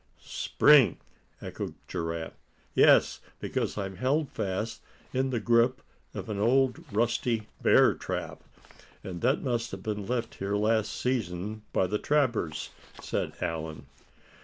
"Spring!" echoed Giraffe. "Yes, because I'm held fast in the grip of an old rusty bear trap, that must have been left here last season by the trappers," said Allan.